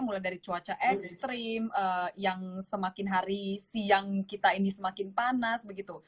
mulai dari cuaca ekstrim yang semakin hari siang kita ini semakin panas begitu